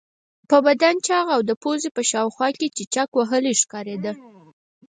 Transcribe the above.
په بدن چاغ او د پوزې په شاوخوا کې چیچک وهلی ښکارېده.